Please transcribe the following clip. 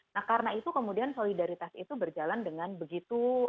nah karena itu kemudian solidaritas itu berjalan dengan begitu